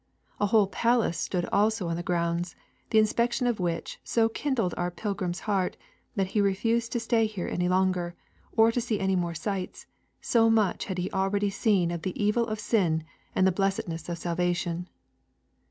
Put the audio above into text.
A whole palace stood also on the grounds, the inspection of which so kindled our pilgrim's heart, that he refused to stay here any longer, or to see any more sights so much had he already seen of the evil of sin and of the blessedness of salvation.